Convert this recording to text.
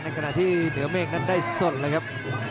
ขณะที่เหนือเมฆนั้นได้สดเลยครับ